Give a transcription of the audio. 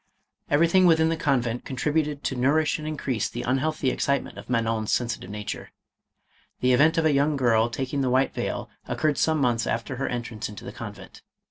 Everything within the convent contributed to nou rish and increase the unhealthy excitement of Manon's sensitive nature. The event of a young girl taking the white veil occurred some months after her entrance 480 MADAME KOLAND. into the convent.